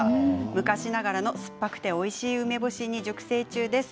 昔ながらの酸っぱくておいしい梅干しに熟成中です。